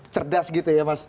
cerdas gitu ya mas